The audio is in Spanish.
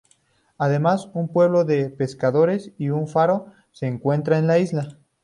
Además un pueblo de pescadores y un faro se encuentran en la isla.